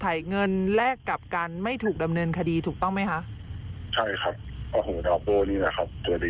ขายเงินแลกกับป้านไม่ถูกดำเนินคดีถูกต้องไหมคะ